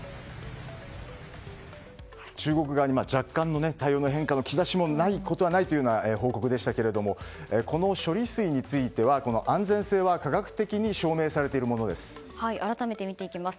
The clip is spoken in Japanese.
中国側に若干の対応の変化の兆しはないことはないというような報告でしたけれどもこの処理水については安全性は改めて見ていきます。